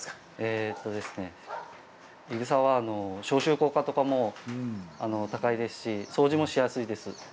いぐさは消臭効果とかも高いですし掃除もしやすいです。